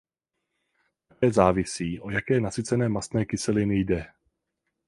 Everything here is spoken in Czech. Také závisí o jaké nasycené mastné kyseliny jde.